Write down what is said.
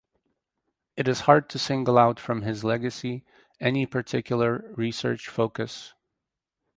It is hard to single out from his legacy any particular research focus.